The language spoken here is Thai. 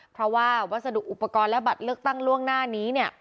เพราะว่าวัสดุอุปกรณ์และบัตรเลือกตั้งล่วงหน้านี้เนี่ย